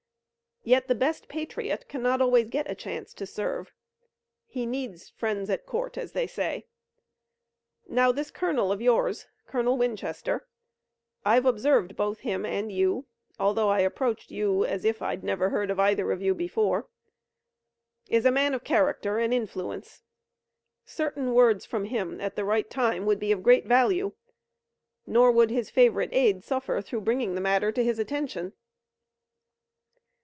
Yet the best patriot cannot always get a chance to serve. He needs friends at court, as they say. Now this colonel of yours, Colonel Winchester I've observed both him and you, although I approached you as if I'd never heard of either of you before is a man of character and influence. Certain words from him at the right time would be of great value, nor would his favorite aide suffer through bringing the matter to his attention."